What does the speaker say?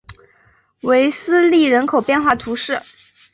韦斯利人口变化图示